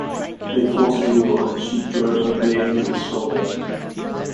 They fought a duel and she drove her blade through his shoulder.